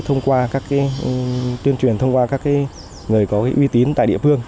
thông qua các tuyên truyền thông qua các người có uy tín tại địa phương